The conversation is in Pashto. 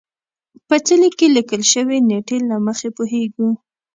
په څلي کې لیکل شوې نېټې له مخې پوهېږو.